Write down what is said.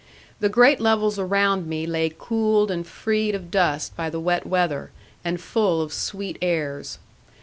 The great levels around me lay cooled and freed of dust by the wet weather, and full of sweet airs.